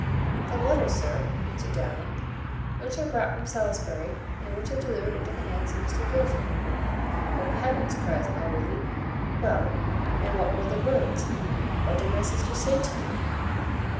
"The letter, sir," answered Dowling, "which I brought from Salisbury, and which I delivered into the hands of Mr Blifil." "O heavens!" cries Allworthy: "Well, and what were the words? What did my sister say to you?"